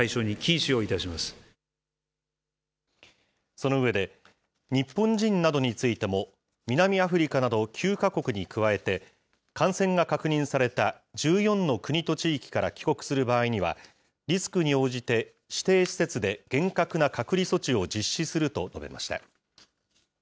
その上で、日本人などについても、南アフリカなど９か国に加えて、感染が確認された１４の国と地域から帰国する場合には、リスクに応じて指定施設で厳格な隔離措置を実施すると述べました。